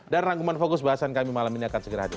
dan rangkuman fokus bahasan kami malam ini akan segera hadir